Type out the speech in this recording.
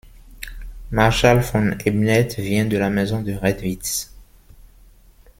Marschall von Ebnet vient de la maison de Redwitz.